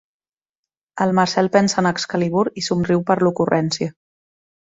El Marcel pensa en Excalibur i somriu per l'ocurrència.